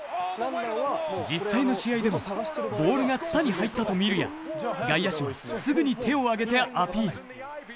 実際の試合でもボールがつたに入ったと見るやすぐに手を上げてアピール。